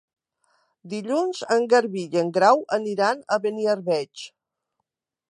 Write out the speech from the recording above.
Dilluns en Garbí i en Grau aniran a Beniarbeig.